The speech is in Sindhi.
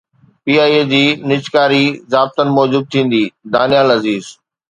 پي آءِ اي جي نجڪاري ضابطن موجب ٿيندي: دانيال عزيز